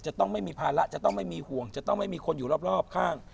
จะต้องไม่มีภาระจะต้องไม่มีห่วงจะต้องไม่มีคนอยู่รอบข้าง